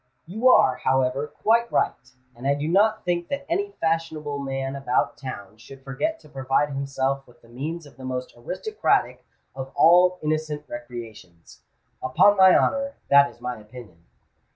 "You are, however, quite right; and I do not think that any fashionable man about town should forget to provide himself with the means of the most aristocratic of all innocent recreations. Upon my honour, that is my opinion."